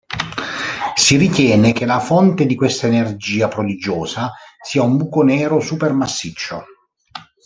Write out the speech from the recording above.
Si ritiene che la fonte di questa energia prodigiosa sia un buco nero supermassiccio.